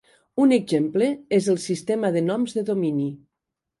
Un exemple és el sistema de noms de domini.